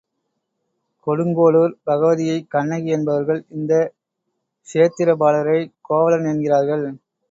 கொடுங்கோளூர் பகவதியைக் கண்ணகி என்பவர்கள், இந்த க்ஷேத்திரபாலரை கோவலன் என்கிறார்கள்.